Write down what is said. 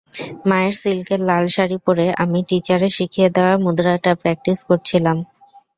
মায়ের সিল্কের লাল শাড়ি পরে আমি টিচারের শিখিয়ে দেওয়া মুদ্রাটা প্র্যাকটিস করছিলাম।